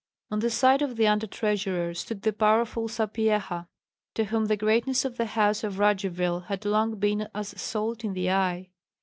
On the side of the under treasurer stood the powerful Sapyeha, to whom the greatness of the house of Radzivill had long been as salt in the eye.